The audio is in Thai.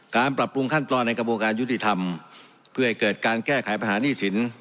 ปรับปรุงขั้นตอนในกระบวนการยุติธรรมเพื่อให้เกิดการแก้ไขปัญหานี่สิน